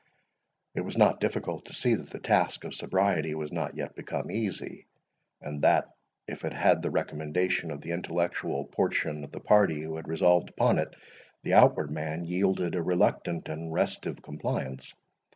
It was not difficult to see that the task of sobriety was not yet become easy, and that, if it had the recommendation of the intellectual portion of the party who had resolved upon it, the outward man yielded a reluctant and restive compliance.